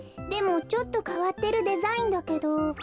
でもちょっとかわってるデザインだけど。